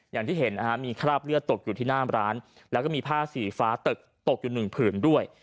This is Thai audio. อย่างที่เห็นนะฮะมีคราบเลือดตกอยู่ที่หน้าร้านแล้วก็มีผ้าสีฟ้าตึกตกอยู่หนึ่งผืนด้วย